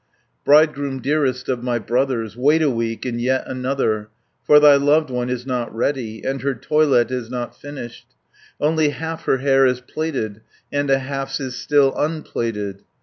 20 "Bridegroom, dearest of my brothers, Wait a week, and yet another; For thy loved one is not ready, And her toilet is not finished. Only half her hair is plaited, And a half is still unplaited.